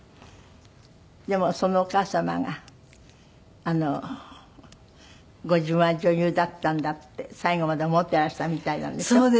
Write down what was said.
でもそのお母様があのご自分は女優だったんだって最後まで思ってらしたみたいなんでしょ？